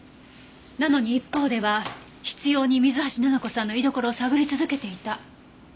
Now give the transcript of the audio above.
なのに一方では執拗に水橋奈々子さんの居所を探り続けていた。